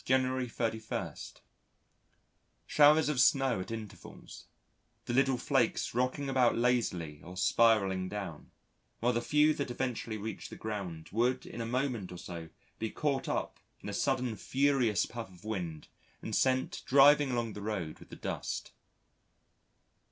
January 31. Showers of snow at intervals, the little flakes rocking about lazily or spiralling down, while the few that eventually reached the ground would in a moment or so be caught up in a sudden furious puff of wind, and sent driving along the road with the dust.